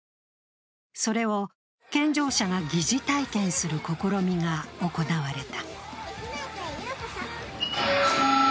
それを健常者が疑似体験する試みが行われた。